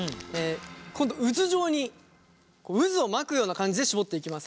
今度渦状に渦を巻くような感じで絞っていきます。